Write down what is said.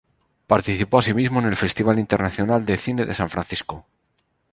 Participó asimismo en el Festival Internacional de Cine de San Francisco.